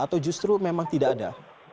atau justru memang tidak ada